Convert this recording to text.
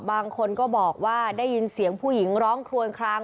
บางคนก็บอกว่าได้ยินเสียงผู้หญิงร้องครวนคลาง